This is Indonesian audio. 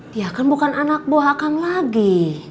dia kan bukan anak buah akan lagi